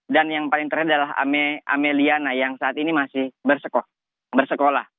dan yang paling terakhir adalah amelia yang saat ini masih bersekolah